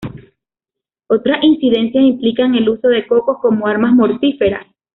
Otras incidencias implican el uso de cocos como armas mortíferas.